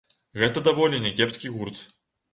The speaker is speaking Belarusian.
Гэта даволі някепскі гурт.